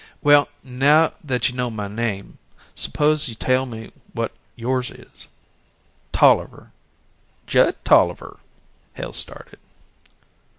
"Well, now that you know my name, suppose you tell me what yours is?" "Tolliver Judd Tolliver." Hale started.